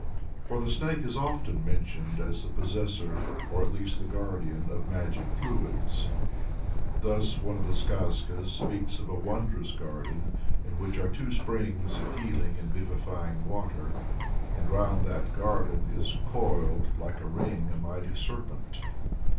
For the Snake is often mentioned as the possessor, or at least the guardian, of magic fluids. Thus one of the Skazkas speaks of a wondrous garden, in which are two springs of healing and vivifying water, and around that garden is coiled like a ring a mighty serpent.